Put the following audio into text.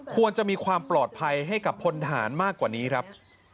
ควรจะมีความปลอดภัยให้กับพลฐานมากกว่านี้ครับ